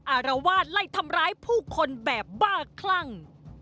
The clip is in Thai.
อารวาสไล่ทำร้ายผู้คนแบบบ้าคลั่ง